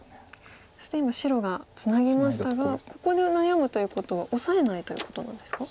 そして今白がツナぎましたがここで悩むということはオサえないということなんですか？